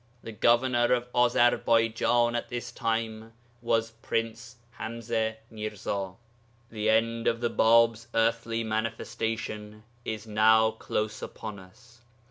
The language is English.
The governor of Azarbaijan at this time was Prince Hamzé Mirza. The end of the Bāb's earthly Manifestation is now close upon us.